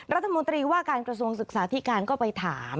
รัฐมนตรีว่าการกระทรวงศึกษาธิการก็ไปถาม